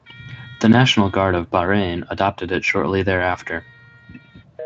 The National Guard of Bahrain adopted it shortly thereafter.